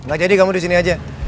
gak jadi kamu disini aja